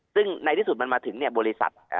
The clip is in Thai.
ซึ่งในที่สุดมันมาถึงเนี่ยบริษัท